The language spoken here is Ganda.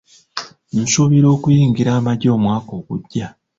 Nsuubira okuyingira amagye omwaka ogujja .